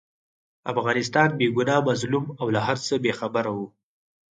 افغانستان بې ګناه، مظلوم او له هرڅه بې خبره وو.